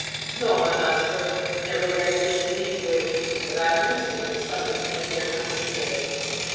'No, my master; never could I wish to leave you! But I have received a summons, and I dare not disobey it.'